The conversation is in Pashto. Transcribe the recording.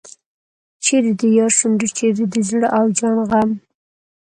چیرې د یار شونډې چیرې د زړه او جان غم.